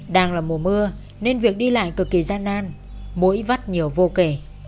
đang là mùa mưa nên việc đi lại cực kỳ gian nan mỗi vắt nhiều vô kể